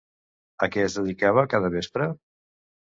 A què es dedicava cada vespre?